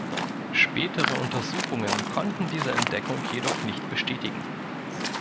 Spätere Untersuchungen konnten diese Entdeckung jedoch nicht bestätigen.